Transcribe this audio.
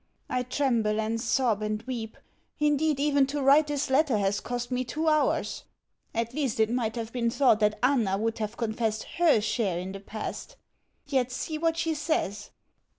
I tremble and sob and weep. Indeed, even to write this letter has cost me two hours. At least it might have been thought that Anna would have confessed HER share in the past. Yet see what she says!...